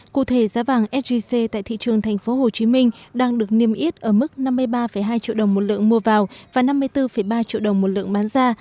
cụ thể giá vàng sgc tại thị trường tp hcm đang được niêm yết ở mức năm mươi ba hai triệu đồng một lượng mua vào và năm mươi bốn ba triệu đồng một lượng bán ra